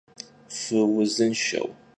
Fıuzınşşeu!